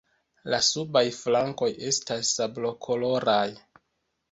La subaj flankoj estas sablokoloraj.